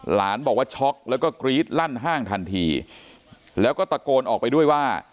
หลานบอกว่าช็อกแล้วก็กรี๊ดลั่นห้างทันทีแล้วก็ตะโกนออกไปด้วยว่า